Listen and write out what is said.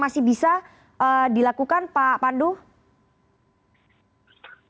masih bisa dilakukan pak pandu